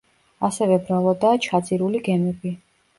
ასევე მრავლადაა ჩაძირული გემები.